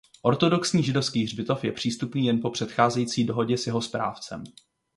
Ortodoxní židovský hřbitov je přístupný jen po předcházející dohodě s jeho správcem.